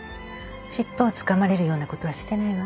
尻尾をつかまれるようなことはしてないわ。